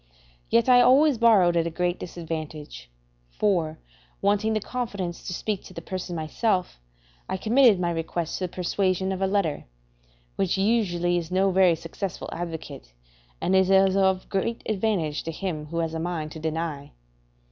Yet I always borrowed at great disadvantage; for, wanting the confidence to speak to the person myself, I committed my request to the persuasion of a letter, which usually is no very successful advocate, and is of very great advantage to him who has a mind to deny.